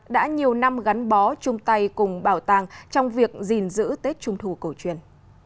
đã nhiều năm gắn bó chung tay cùng bảo tàng trong việc gìn giữ tết trung thù cổ truyền